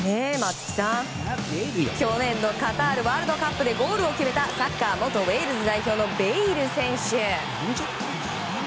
去年のカタールワールドカップでゴールを決めたサッカー元ウェールズ代表のベイル選手。